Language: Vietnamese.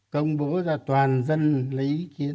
công bố ra toàn dân lấy ý kiến